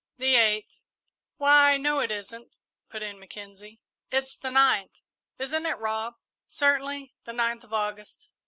"The eighth." "Why, no, it isn't," put in Mackenzie; "it's the ninth isn't it, Rob?" "Certainly the ninth of August."